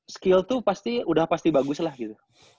skill tuh pasti udah pasti bagus lah gitu